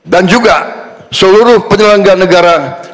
dan juga seluruh penyelenggara negara